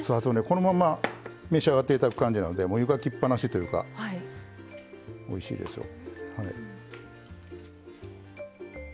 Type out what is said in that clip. このまま召し上がっていただく感じなのでもう湯がきっぱなしというかおいしいですよ。